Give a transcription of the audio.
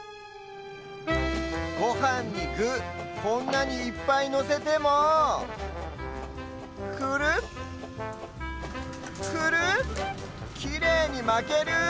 ごはんにぐこんなにいっぱいのせてもクルクルきれいにまける！